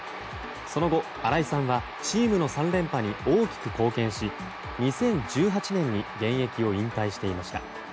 その後、新井さんはチームの３連覇に大きく貢献し２０１８年に現役を引退していました。